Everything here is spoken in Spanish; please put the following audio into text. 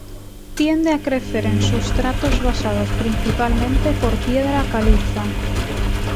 Tiende a crecer en sustratos basados principalmente por piedra caliza.